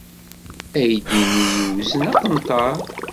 Aydi-nni yewzen aqenṭar.